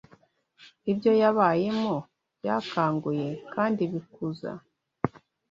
Ibyo yabayemo byakanguye kandi bikuza